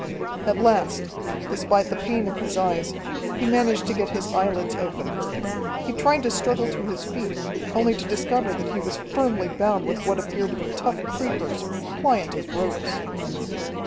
At last, despite the pain in his eyes, he managed to get his eyelids open. He tried to struggle to his feet, only to discover that he was firmly bound with what appeared to be tough creepers, pliant as ropes.